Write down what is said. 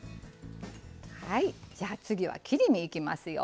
じゃあ次は切り身いきますよ。